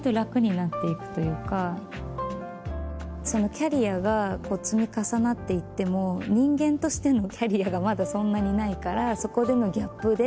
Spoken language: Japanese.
キャリアが積み重なっていっても人間としてのキャリアがまだそんなにないからそこでのギャップで。